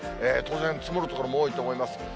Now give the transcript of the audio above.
当然、積もる所も多いと思います。